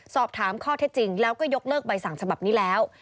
สอบถามข้อเท็จจริงแล้วก็ยกเลิกใบสั่งฉบับนี้แล้ว